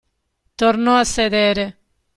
Tornò a sedere.